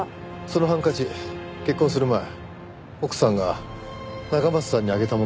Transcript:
そのハンカチ結婚する前奥さんが中松さんにあげたものでした。